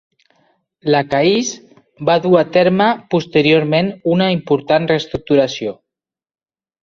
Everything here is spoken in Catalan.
La Caisse va dur a terme posteriorment una important reestructuració.